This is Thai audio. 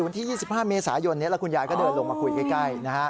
วันที่๒๕เมษายนนี้แล้วคุณยายก็เดินลงมาคุยใกล้